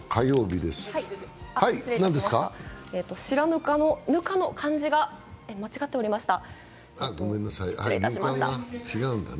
白糠の「ぬか」の漢字が間違っておりました。